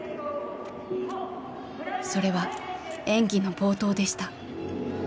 それは演技の冒頭でした。